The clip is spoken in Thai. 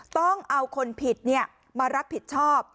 ต้องเอาคนผิดมารับผิดชอบ